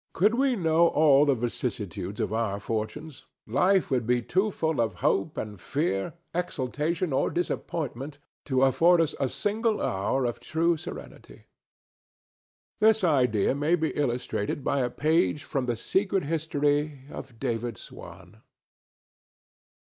Could we know all the vicissitudes of our fortunes, life would be too full of hope and fear, exultation or disappointment, to afford us a single hour of true serenity. This idea may be illustrated by a page from the secret history of David Swan.